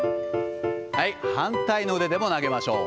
反対の腕でも投げましょう。